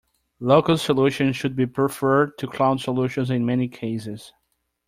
Local solutions should be preferred to cloud solutions in many cases.